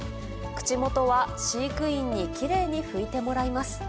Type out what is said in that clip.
口元は飼育員にきれいに拭いてもらいます。